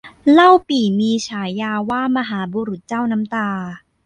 เล่าปี่มีฉายาว่ามหาบุรุษเจ้าน้ำตา